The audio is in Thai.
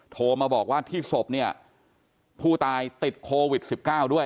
โทรมาบอกว่าที่ศพเนี่ยผู้ตายติดโควิด๑๙ด้วย